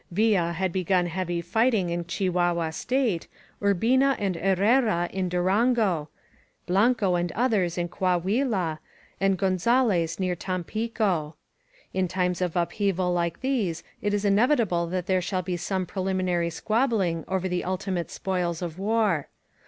Villa had begun heavy fighting in Chihuahua State, Urbina and Herrera in Durango, Blanco and others in Coahuila, and Gonzales near Tam pico. In times of upheaval like these it is inevitable that there shall be some preliminary squabbling over the ultimate spoils of war.